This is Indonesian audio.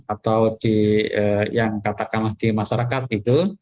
atau yang katakan lagi masyarakat itu